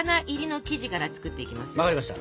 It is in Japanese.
分かりました。